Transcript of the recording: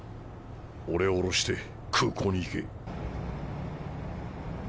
俺を降ろして空港に行け。